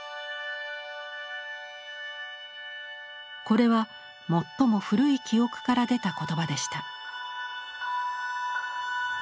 これは最も古い記憶から出た言葉でした。